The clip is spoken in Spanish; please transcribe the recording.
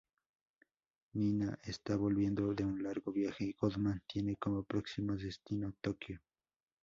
Nina está volviendo de un largo viaje y Goodman tiene como próximo destino Tokio.